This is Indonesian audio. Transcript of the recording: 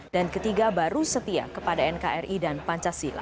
dan ketiga baru setia kepada nkri dan pancasila